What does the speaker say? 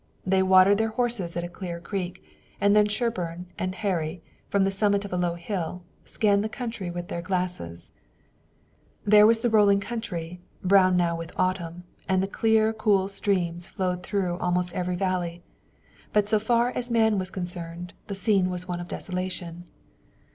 They watered their horses at a clear creek, and then Sherburne and Harry, from the summit of a low hill, scanned the country with their glasses. They saw no human being. There was the rolling country, brown now with autumn, and the clear, cool streams flowing through almost every valley, but so far as man was concerned the scene was one of desolation.